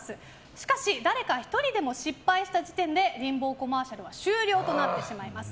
しかし誰か１人でも失敗した時点でリンボーコマーシャルは終了となってしまいます。